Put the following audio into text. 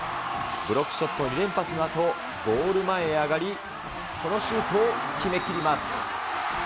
ブロックショット２連発のあと、ゴール前へ上がり、このシュートを決めきります。